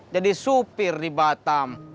jadi upir di dalam